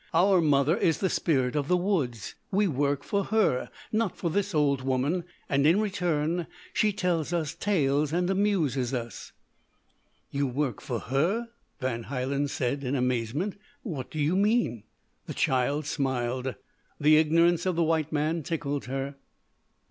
"Our mother is the spirit of the woods. We work for her not for this old woman, and in return she tells us tales and amuses us." "You work for her!" Van Hielen said in amazement. "What do you mean?" The child smiled the ignorance of the white man tickled her.